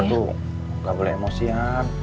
kita tuh gak boleh emosian